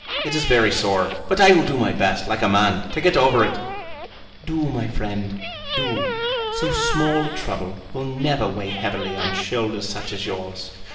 It is very sore; but I will do my best, like a man, to get over it." "Do, my friend, do. So small a trouble will never weigh heavily on shoulders such as yours."